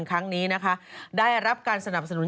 ครั้งนี้นะคะได้รับการสนับสนุน